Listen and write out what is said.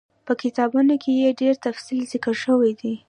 په کتابونو کي ئي ډير تفصيل ذکر شوی دی